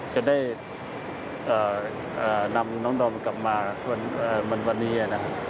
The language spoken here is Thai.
จะได้นำน้องดอมกลับมาวันบันนี้